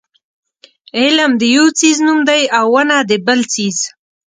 علم د یو څیز نوم دی او ونه د بل څیز.